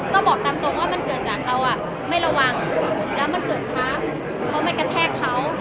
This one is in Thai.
ก็บอกตามตรงว่ามันเกิดจากเราไม่ระวังแล้วมันเกิดช้ำเพราะไม่กระแทกเขา